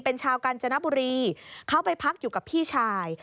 เป็นชาวกาญจนบุรีเขาไปพักอยู่กับพี่ชาย